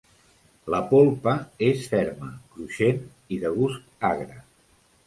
La polpa és ferma, cruixent i de gust agre.